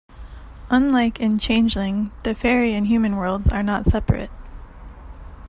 Unlike in Changeling, the faerie and human worlds are not separate.